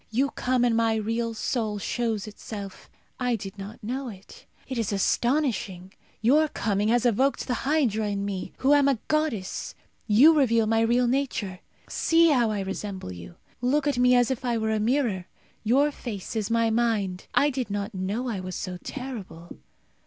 You come, and my real soul shows itself. I did not know it. It is astonishing. Your coming has evoked the hydra in me, who am a goddess. You reveal my real nature. See how I resemble you. Look at me as if I were a mirror. Your face is my mind. I did not know I was so terrible.